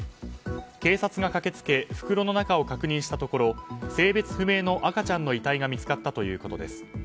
警察が駆け付け袋の中を確認したところ性別不明の赤ちゃんの遺体が見つかったということです。